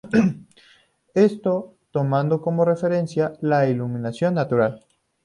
Esto tomando como referencia la iluminación natural.